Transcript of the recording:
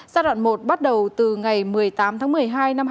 giai đoạn một bắt đầu từ ngày một mươi tám tháng một mươi hai năm hai nghìn hai mươi